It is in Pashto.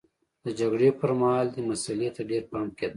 د جګړې پرمهال دې مسئلې ته ډېر پام کېده